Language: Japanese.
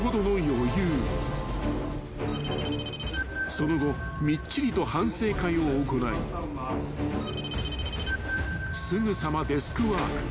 ［その後みっちりと反省会を行いすぐさまデスクワーク］